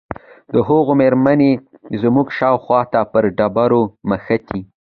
د هغوې مرمۍ زموږ شاوخوا ته پر ډبرو مښتې.